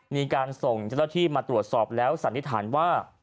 มีการส่งเจ้าหน้าที่มาตรวจสอบแล้วสันนิษฐานว่า